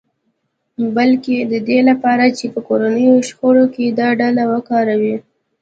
بلکې د دې لپاره چې په کورنیو شخړو کې دا ډله وکاروي